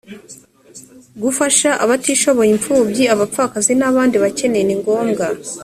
gufasha abatishoboye impfubyi abapfakazi n’ abandi bakene ni ngombwa.